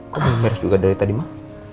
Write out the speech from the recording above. kok belum beres juga dari tadi mah